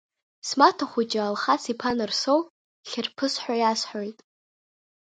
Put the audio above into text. Смаҭа хәыҷы Алхас-иԥа Нарсоу Хьырԥыс ҳәа иасҳәоит.